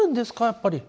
やっぱり。